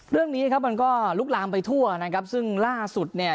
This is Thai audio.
เรื่องนี้ครับมันก็ลุกลามไปทั่วนะครับซึ่งล่าสุดเนี่ย